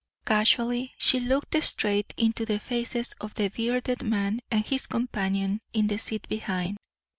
Casually she looked straight into the faces of the bearded man and his companion in the seat behind.